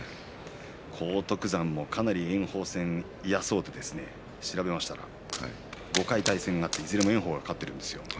荒篤山もかなり炎鵬戦嫌そうで調べましたら５回対戦があっていずれも炎鵬が勝っているんですよ。